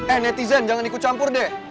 eh netizen jangan ikut campur deh